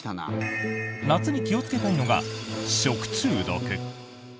夏に気をつけたいのが食中毒。